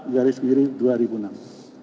garis kiri dua ribu enam